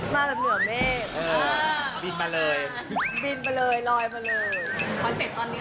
มาแบบเหนือเมฆ